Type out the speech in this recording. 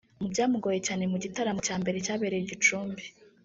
Mu byamugoye cyane mu gitaramo cya mbere cyabereye i Gicumbi